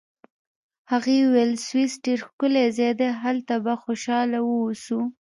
هغې وویل: سویس ډېر ښکلی ځای دی، هلته به خوشحاله واوسو.